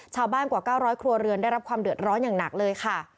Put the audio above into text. กว่า๙๐๐ครัวเรือนได้รับความเดือดร้อนอย่างหนักเลยค่ะ